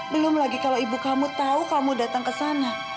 belum lagi kalau ibu kamu tahu kamu datang ke sana